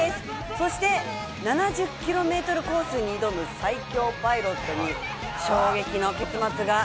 そして７０ｋｍコースに挑む最強パイロットに衝撃の結末が。